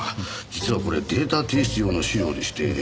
実はこれデータ提出用の資料でして。